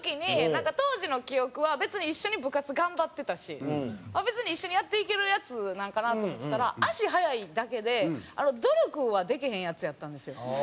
なんか当時の記憶は別に一緒に部活頑張ってたし別に一緒にやっていけるヤツなんかなと思ってたら足速いだけで努力はできへんヤツやったんですよ。